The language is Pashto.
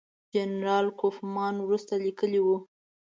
جنرال کوفمان وروسته لیکلي وو.